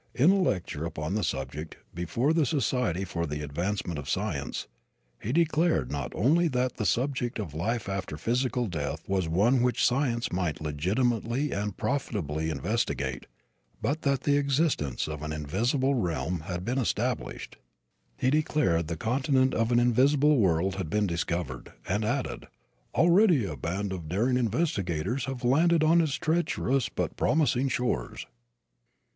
In a lecture upon the subject, before the Society for the Advancement of Science, he declared not only that the subject of life after physical death was one which science might legitimately and profitably investigate but that the existence of an invisible realm had been established. He declared the continent of an invisible world had been discovered, and added, "already a band of daring investigators have landed on its treacherous but promising shores."